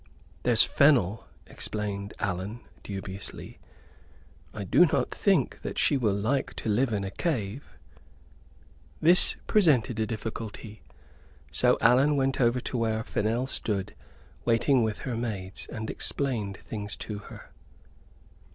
"There's Fennel," explained Allan, dubiously; "I do not think that she will like to live in a cave." This presented a difficulty. So Allan went over to where Fennel stood waiting with her maids, and explained things to her.